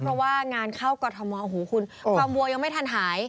เพราะว่างานเข้ากรทมโอ้โหคุณความวัวยังไม่ทันหาย